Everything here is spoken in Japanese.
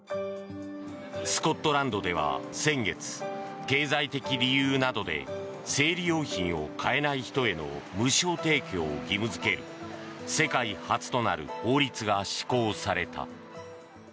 スコットランドでは先月経済的理由などで生理用品を買えない人への無償提供を義務付ける世界初となる法律が施行された。